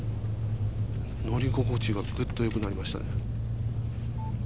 乗り心地がぐっと良くなりましたね。